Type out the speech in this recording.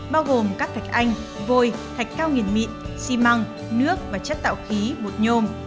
bao gồm các thạch anh vôi thạch cao nghiền mịn xi măng nước và chất tạo khí bột nhôm